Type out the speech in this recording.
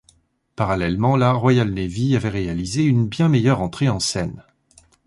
Parallèlement, la Royal Navy avait réalisé une bien meilleure entrée en scène.